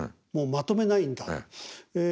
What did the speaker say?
もうまとめないんだ。